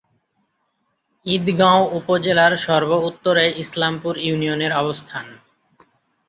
ঈদগাঁও উপজেলার সর্ব-উত্তরে ইসলামপুর ইউনিয়নের অবস্থান।